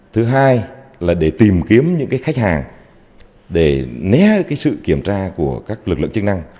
thứ hai là để tìm kiếm những khách hàng để né sự kiểm tra của các lực lượng chức năng